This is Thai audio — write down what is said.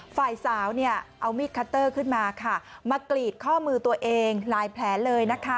ฝ่ายสาวเนี่ยเอามีดคัตเตอร์ขึ้นมาค่ะมากรีดข้อมือตัวเองหลายแผลเลยนะคะ